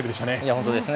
本当ですね。